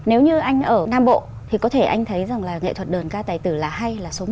nếu như anh ở nam bộ thì có thể anh thấy rằng là nghệ thuật đơn ca tài tử là hay là số một